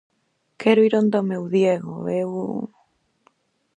Quero ir onda o meu Diego, eu...